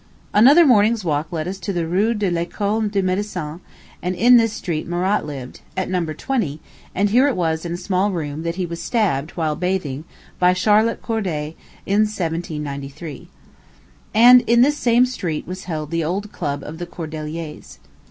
Another morning's walk led us to the Rue de l'École de Médecine, and in this street Marat lived, at No. 20, and here it was, in a small room, that he was stabbed, while bathing, by Charlotte Corday, in 1793. And in this same street was held the old club of the Cordeliers.